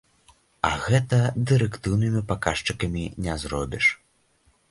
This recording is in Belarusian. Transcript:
А гэта дырэктыўнымі паказчыкамі не зробіш.